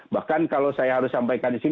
bahkan kalau saya harus sampaikan di sini